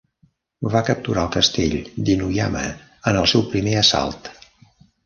Va capturar el castell d'Inuyama en el seu primer assalt.